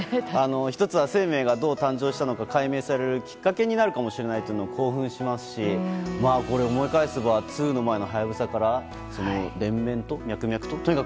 １つは生命がどう誕生したのか解明されるきっかけになるかもしれないというのは興奮しますし、これ思い返せば２の前の「はやぶさ」から脈々と。